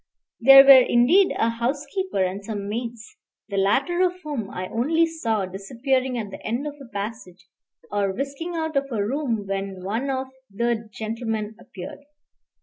There were, indeed, a housekeeper and some maids, the latter of whom I only saw disappearing at the end of a passage, or whisking out of a room when one of "the gentlemen" appeared.